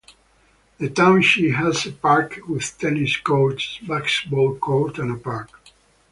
The Township has a Park with tennis courts, a basketball court, and a Park.